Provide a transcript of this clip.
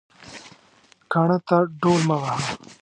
کاڼه ته ډول مه وهه